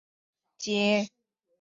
心里觉得有点凄凉